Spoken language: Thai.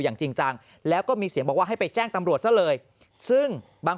อย่างจริงจังแล้วก็มีเสียงบอกว่าให้ไปแจ้งตำรวจซะเลยซึ่งบาง